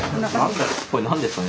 これ何ですかね。